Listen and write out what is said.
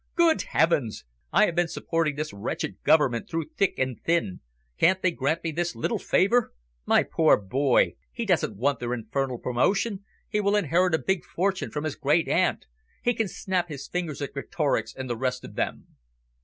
Good heavens! I have been supporting this wretched Government through thick and thin. Can't they grant me this little favour? My poor boy! He doesn't want their infernal promotion. He will inherit a big fortune from his great aunt. He can snap his fingers at Greatorex and the rest of them."